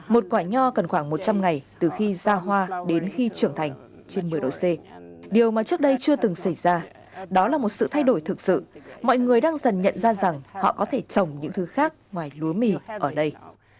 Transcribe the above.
một quả nho cần khoảng một trăm linh ngày từ khi ra hoa đến khi trưởng thành trên một mươi độ c điều mà trước đây chưa từng xảy ra đó là một sự thay đổi thực sự mọi người đang dần nhận ra rằng họ có thể trồng những thứ khác ngoài lúa mì ở đây